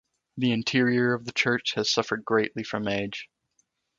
The interior of the church has suffered greatly from age.